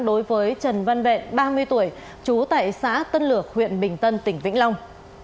đối với trần văn vẹn ba mươi tuổi trú tại xã tân lược huyện bình tân tỉnh vĩnh long